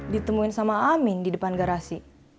ditemuin sama amin di depan garasi